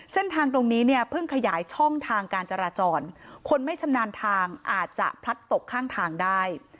เส้นทางตรงนี้เนี่ยเพิ่งขยายช่องทางการจราจรคนไม่ชำนาญทางอาจจะพลัดตกข้างทางได้